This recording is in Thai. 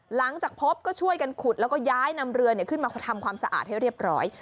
หลังจากพบก็ช่วยกันขุดแล้วก็ย้ายนำเรือขึ้นมาทำความสะอาดให้เรียบร้อย